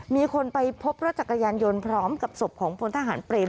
มีคนไปพบรถจักรยานยนต์พร้อมกับศพของพลทหารเปรม